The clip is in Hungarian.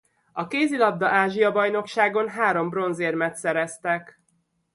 A kézilabda-Ázsia-bajnokságon három bronzérmet szereztek.